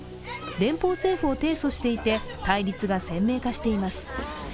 連邦政府を提訴していて対立が鮮明化しています。